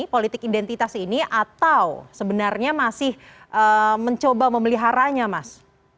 politik identitas ini atau sebenarnya masih mencoba memeliharanya mas